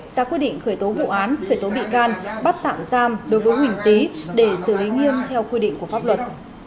ra quyết định khởi tố vụ án khởi tố bị can bắt tạm giam đối với huỳnh tý để xử lý nghiêm theo quy định của pháp luật